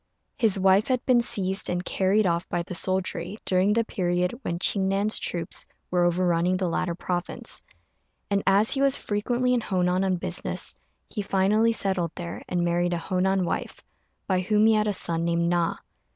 His wife had been seized and carried off by the soldiery during the period when Ching Nan's troops were overrunning the latter province; and as he was frequently in Honan on business, he finally settled there and married a Honan wife, by whom he had a son named Na.